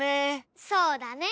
そうだね。